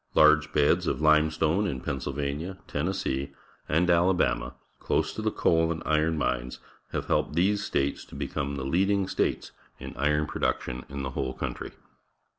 Large beds of limestone in Pennsyhania, Tennessee, and Alabama, close to the coal and iron mines, ha\ e helped these states to become the leading states in iron production in the whole country.